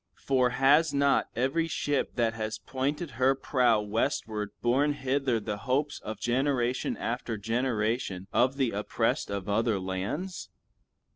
For has not every ship that has pointed her prow westward borne hither the hopes of generation after generation of the oppressed of other lands?